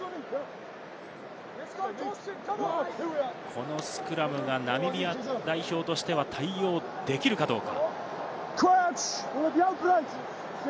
このスクラムがナミビア代表としては対応できるかどうか。